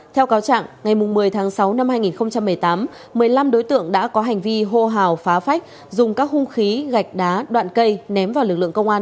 theo cáo trạng ngày một mươi tháng sáu năm hai nghìn một mươi tám một mươi năm đối tượng đã có hành vi hô hào phá phách dùng các hung khí gạch đá đoạn cây ném vào lực lượng công an